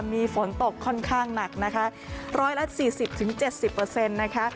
มีฝนตกค่อนข้างหนักนะคะร้อยละสี่สิบถึงเจ็ดสิบเปอร์เซ็นต์นะคะ